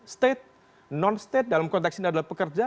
state non state dalam konteks ini adalah pekerja